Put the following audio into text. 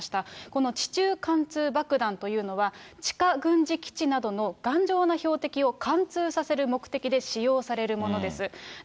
この地中貫通爆弾というのは、地下軍事基地などの頑丈な標的を貫通させる目的で使用されるものです。